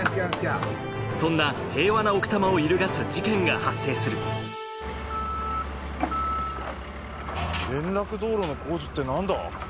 そんな平和な奥多摩を揺るがす事件が発生する連絡道路の工事ってなんだ？